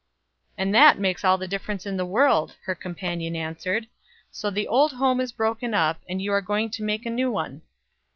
"And that makes all the difference in the world," her companion answered. "So the old home is broken up, and you are going to make a new one."